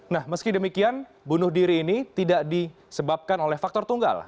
nah meski demikian bunuh diri ini tidak disebabkan oleh faktor tunggal